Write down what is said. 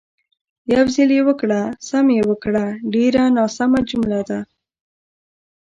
"یو ځل یې وکړه، سم یې وکړه" ډېره ناسمه جمله ده.